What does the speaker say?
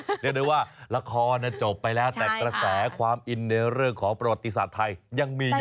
เรียกได้ว่าละครจบไปแล้วแต่กระแสความอินในเรื่องของประวัติศาสตร์ไทยยังมีอยู่